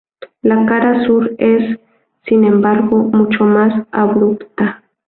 La cara sur es, sin embargo, mucho más abrupta.